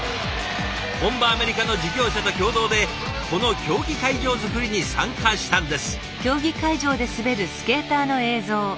本場アメリカの事業者と共同でこの競技会場作りに参加したんです。